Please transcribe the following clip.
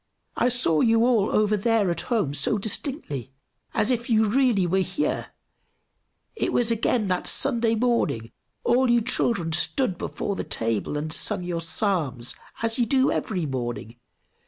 "I saw you all over there at home so distinctly, as if you really were here; it was again that Sunday morning; all you children stood before the table and sung your Psalms, as you do every morning.